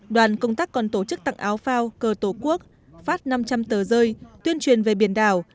đoàn công tác còn tổ chức tặng áo phao cơ tổ quốc phát năm trăm linh tờ rơi tuyên truyền về biển đảo